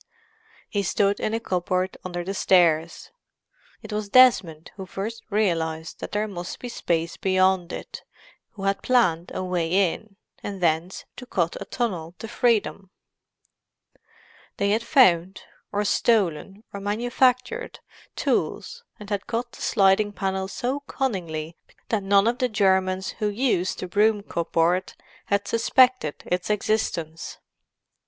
He stood in a cupboard under the stairs. It was Desmond who first realized that there must be space beyond it, who had planned a way in, and thence to cut a tunnel to freedom. They had found, or stolen, or manufactured, tools, and had cut the sliding panel so cunningly that none of the Germans who used the broom cupboard had suspected its existence.